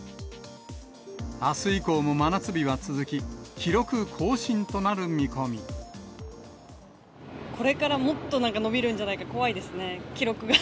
あす以降も真夏日は続き、これからもっとなんか、伸びるんじゃないか、怖いですね、記録が。